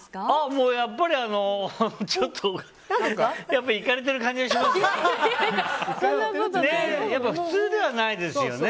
もう、やっぱりちょっといかれてる感じがしますよね。